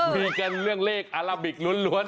มีกันเรื่องเลขอาราบิกล้วน